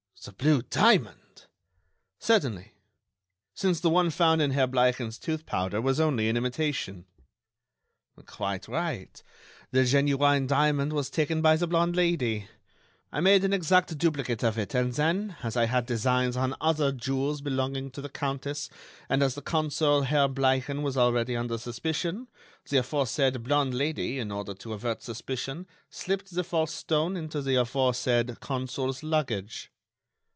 "The blue diamond!" "Certainly; since the one found in Herr Bleichen's tooth powder was only an imitation." "Quite right; the genuine diamond was taken by the blonde Lady. I made an exact duplicate of it and then, as I had designs on other jewels belonging to the Countess and as the Consul Herr Bleichen was already under suspicion, the aforesaid blonde Lady, in order to avert suspicion, slipped the false stone into the aforesaid Consul's luggage."